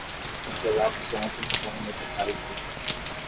Envelopes ontem são necessários hoje.